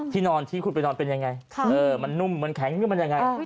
ที่นอนที่คุณไปนอนเป็นยังไงมันนุ่มเหมือนแข็งมันยังไง